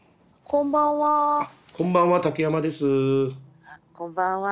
こんばんは。